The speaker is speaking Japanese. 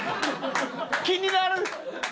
気になる！